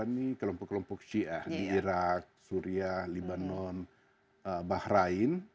iran mendukung kelompok kelompok syiah di iraq suria libanon bahrain